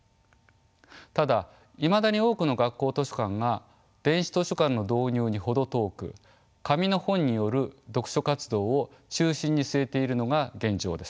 ただいまだに多くの学校図書館が電子図書館の導入に程遠く紙の本による読書活動を中心に据えているのが現状です。